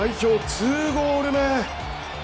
２ゴール目。